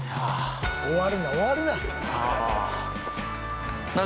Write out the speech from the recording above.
終わるな、終わるな。